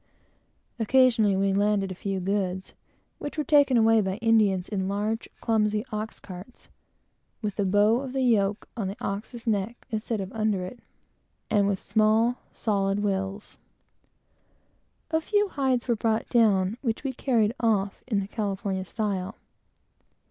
Occasionally we landed a few goods, which were taken away by Indians in large, clumsy ox carts, with the yoke on the ox's neck instead of under it, and with small solid wheels. A few hides were brought down, which we carried off in the California style.